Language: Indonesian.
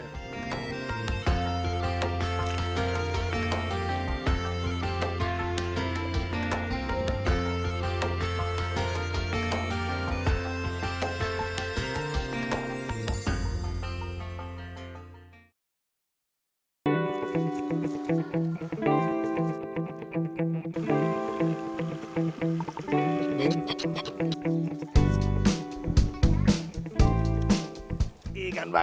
pembangunan ikan bakar